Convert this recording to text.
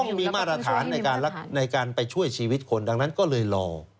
ต้องมีมาตรฐานในการไปช่วยชีวิตคนดังนั้นก็เลยรอ